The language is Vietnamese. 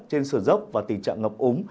trên sườn dốc và tình trạng ngập ống